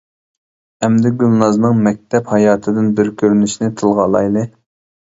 ئەمدى گۈلنارنىڭ مەكتەپ ھاياتىدىن بىر كۆرۈنۈشنى تىلغا ئالايلى!